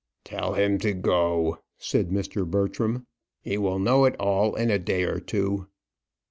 "Tell him to go," said Mr. Bertram. "He will know it all in a day or two."